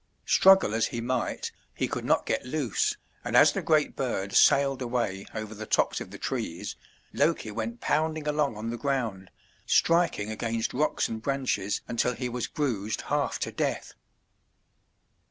Struggle as he might, he could not get loose, and as the great bird sailed away over the tops of the trees, Loki went pounding along on the ground, striking against rocks and branches until he was bruised half to death.